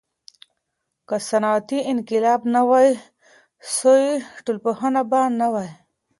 که صنعتي انقلاب نه وای سوی، ټولنپوهنه به نه وای.